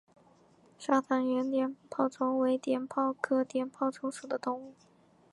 沙塘鳢碘泡虫为碘泡科碘泡虫属的动物。